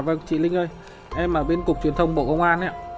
à vâng chị linh ơi em ở bên cục truyền thông bộ công an ạ